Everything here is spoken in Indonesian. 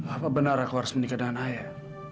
apa benar aku harus menikah dengan ayah